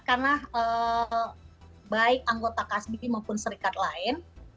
karena baik anggota kasb maupun serikat lain